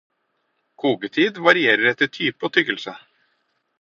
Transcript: Koketid varierer etter type og tykkelse.